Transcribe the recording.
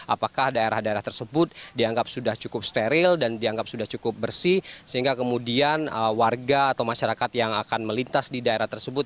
apakah daerah daerah tersebut dianggap sudah cukup steril dan dianggap sudah cukup bersih sehingga kemudian warga atau masyarakat yang akan melintas di daerah tersebut